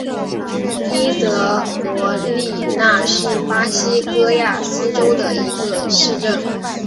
伊德罗利纳是巴西戈亚斯州的一个市镇。